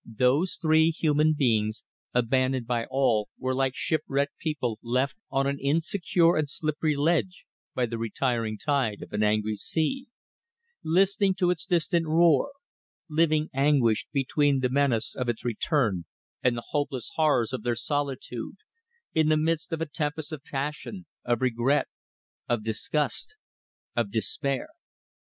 Those three human beings abandoned by all were like shipwrecked people left on an insecure and slippery ledge by the retiring tide of an angry sea listening to its distant roar, living anguished between the menace of its return and the hopeless horror of their solitude in the midst of a tempest of passion, of regret, of disgust, of despair.